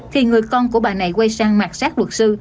thì người con của bà này quay sang mạc sát luật sư